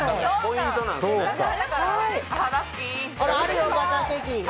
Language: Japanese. あるよ、バターケーキ！